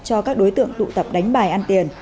cho các đối tượng tụ tập đánh bài ăn tiền